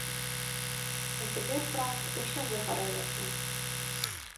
А цяпер, брат, усё загарэлася.